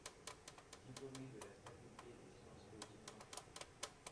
Diplômé de la Faculté des Sciences Politiques d'Ankara.